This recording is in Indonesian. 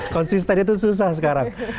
konsisten itu susah sekarang